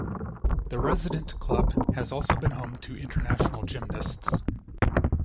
The resident club has also been home to international gymnasts.